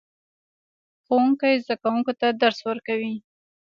ښوونکی زده کوونکو ته درس ورکوي